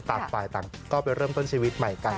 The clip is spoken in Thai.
ต่างฝ่ายต่างก็ไปเริ่มต้นชีวิตใหม่กัน